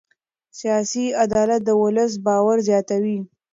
سیاسي عدالت د ولس باور زیاتوي